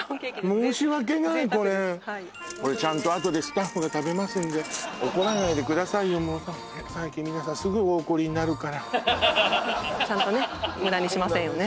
申し訳ないこれ贅沢ですはいちゃんとあとでスタッフが食べますんで怒らないでくださいよもう最近皆さんすぐお怒りになるからちゃんとね無駄にしませんよね